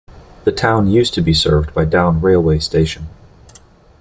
The town used to be served by Doune railway station.